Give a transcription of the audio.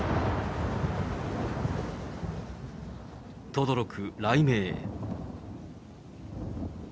とどろく雷鳴。